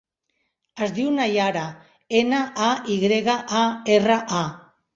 Es diu Nayara: ena, a, i grega, a, erra, a.